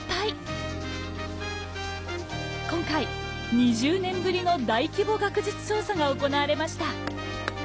今回２０年ぶりの大規模学術調査が行われました。